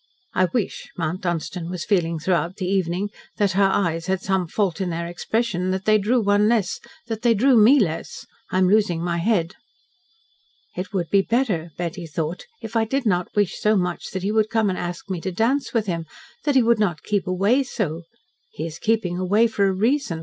"I wish," Mount Dunstan was feeling throughout the evening, "that her eyes had some fault in their expression that they drew one less that they drew ME less. I am losing my head." "It would be better," Betty thought, "if I did not wish so much that he would come and ask me to dance with him that he would not keep away so. He is keeping away for a reason.